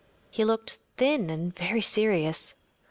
He looked thin and very serious.